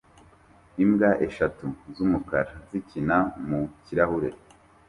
Imbwa eshatu z'umukara zikina mu kirahure